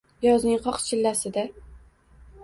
yozning qoq chillasida